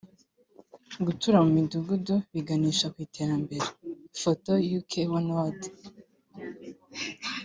Gutura mu midugudu biganisha ku iterambere (foto uk one world)